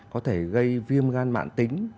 có thể gây viêm gan mạn tính